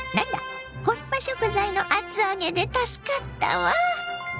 コスパ食材の厚揚げで助かったわ。